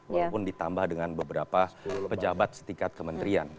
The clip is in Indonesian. walaupun ditambah dengan beberapa pejabat setingkat kementerian